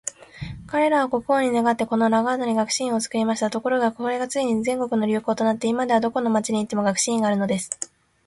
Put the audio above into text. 彼等は国王に願って、このラガードに学士院を作りました。ところが、これがついに全国の流行となって、今では、どこの町に行っても学士院があるのです。